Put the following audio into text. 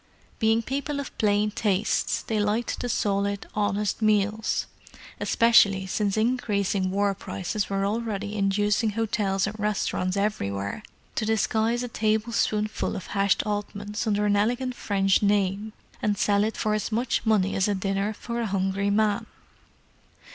Being people of plain tastes they liked the solid, honest meals—especially since increasing War prices were already inducing hotels and restaurants everywhere to disguise a tablespoonful of hashed oddments under an elegant French name and sell it for as much money as a dinner for a hungry man.